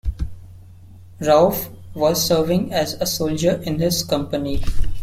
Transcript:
Rouf was serving as a soldier in this company.